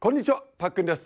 パックンです。